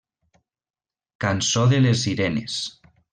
Cançó de les sirenes.